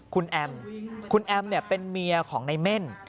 คุณแอมคุณแอมเนี่ยเป็นเมียของในเม่น